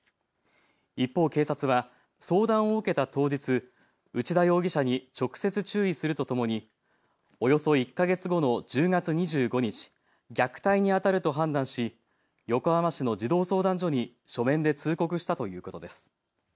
一方、警察は相談を受けた当日、内田容疑者に直接注意するとともにおよそ１か月後の１０月２５日虐待にあたると判断し横浜市の児童相談所に書面で通告したということです。